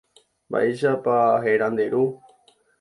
Mba'éichapa héra nde ru.